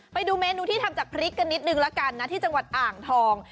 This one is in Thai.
ไปดูเมนูที่ทำจากพริกกันนิดนึงละกันนะที่จังหวัดอ่างทอง